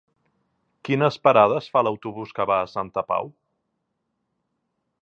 Quines parades fa l'autobús que va a Santa Pau?